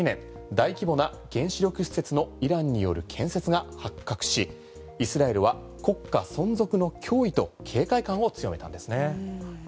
大規模な原子力施設のイランによる建設が発覚しイスラエルは国家存続の脅威と警戒感を強めたんですね。